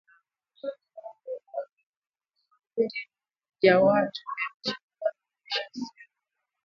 Makundi ya watu yalichipua na kuonesha hisia zao